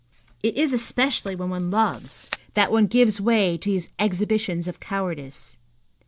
It is especially when one loves that one gives way to these exhibitions of cowardice.